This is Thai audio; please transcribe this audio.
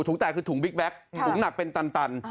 แตกคือถุงบิ๊กแก๊กถุงหนักเป็นตัน